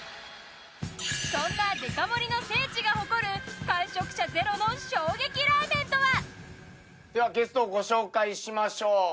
そんなデカ盛りの聖地が誇る完食者ゼロの衝撃ラーメンとは？ではゲストをご紹介しましょう。